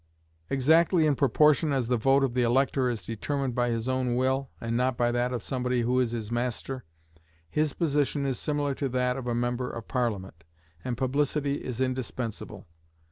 "Exactly in proportion as the vote of the elector is determined by his own will, and not by that of somebody who is his master, his position is similar to that of a member of Parliament, and publicity is indispensable.